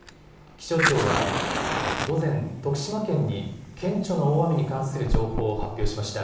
気象庁は午前、徳島県に顕著な大雨に関する情報を発表しました。